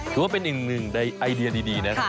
ถือว่าเป็นอีกหนึ่งในไอเดียดีนะครับ